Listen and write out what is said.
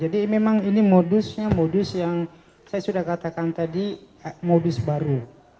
jadi memang ini modusnya modus yang saya sudah katakan tadi modus baru